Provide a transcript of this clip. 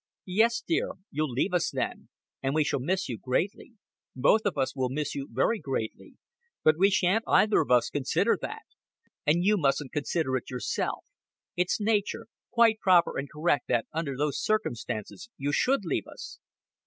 "Yes, my dear, you'll leave us then; and we shall miss you greatly both of us will miss you very greatly, but we shan't either of us consider that. And you mustn't consider it yourself. It's nature quite proper and correct that under those circumstances you should leave us."